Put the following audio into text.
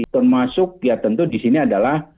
termasuk ya tentu disini adalah